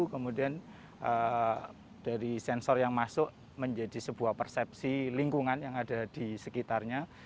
kemudian dari sensor yang masuk menjadi sebuah persepsi lingkungan yang ada di sekitarnya